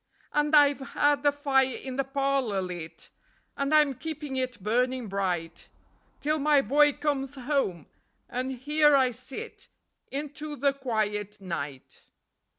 And I've had the fire in the parlour lit, And I'm keeping it burning bright Till my boy comes home; and here I sit Into the quiet night."